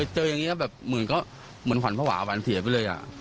เจออย่างนี้ก็แบบเหมือนก็เหมือนขวัญภาวะหวานเสียไปเลย